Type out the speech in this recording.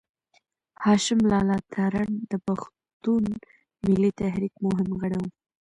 هاشم لالا تارڼ د پښتون ملي تحريک مهم غړی و.